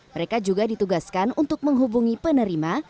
mereka juga ditugaskan untuk menghubungi penerima